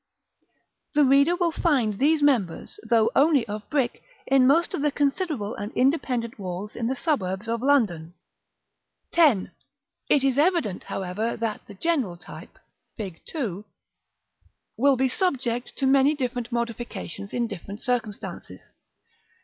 The reader will find these members, though only of brick, in most of the considerable and independent walls in the suburbs of London. § X. It is evident, however, that the general type, Fig. II., will be subject to many different modifications in different circumstances.